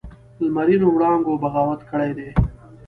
لمرینو وړانګو بغاوت کړی دی